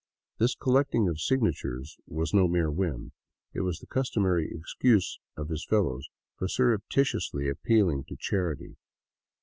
This collecting of signatures was no mere whim ; it was the customary excuse of his fellows for surreptitiously appealing to charity.